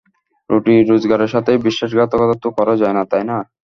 রুটি রোজগারের সাথে বিশ্বাসঘাতকতা তো করা যায় না, তাই না?